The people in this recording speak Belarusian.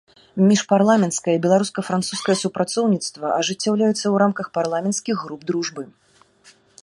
Міжпарламенцкае беларуска-французскае супрацоўніцтва ажыццяўляецца ў рамках парламенцкіх груп дружбы.